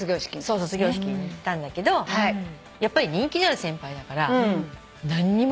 そう卒業式に行ったんだけどやっぱり人気のある先輩だから何にもなかった。